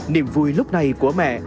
niềm vui lúc này của mẹ